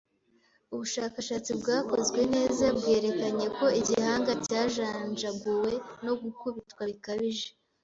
Ubushakashatsi bwakozwe neza bwerekanye ko igihanga cyajanjaguwe no gukubitwa bikabije.